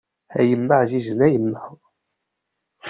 A yemma ɛzizen a yemma.